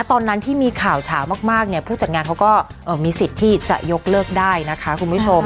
ตอนนั้นที่มีข่าวเฉามากเนี่ยผู้จัดงานเขาก็มีสิทธิ์ที่จะยกเลิกได้นะคะคุณผู้ชม